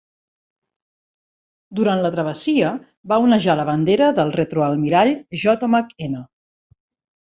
Durant la travessia, va onejar la bandera del retroalmirall J. McN.